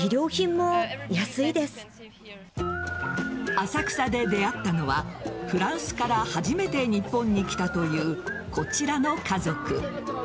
浅草で出会ったのはフランスから初めて日本に来たというこちらの家族。